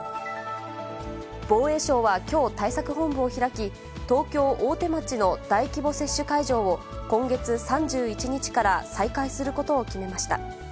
防衛省はきょう、対策本部を開き、東京・大手町の大規模接種会場を、今月３１日から再開することを決めました。